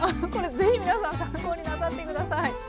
これぜひ皆さん参考になさって下さい。